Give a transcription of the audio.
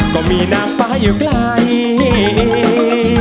ก็มีนางฟ้าอยู่ไกล